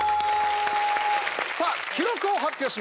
さあ記録を発表します。